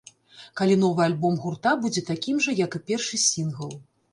Калі новы альбом гурта будзе такім жа, як і першы сінгл.